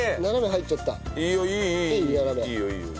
いいよいいよ。